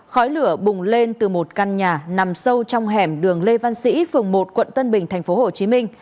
khói lửa bùng lên từ một căn nhà nằm sâu trong hẻm đường lê văn sĩ phường một quận tân bình tp hcm